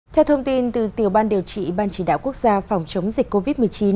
theo thông tin từ tiểu ban điều trị ban chỉ đạo quốc gia phòng chống dịch covid một mươi chín